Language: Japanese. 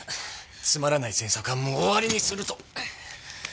つまらない詮索はもう終わりにすると！